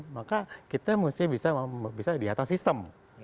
maka kita mesti bisa di atas sistem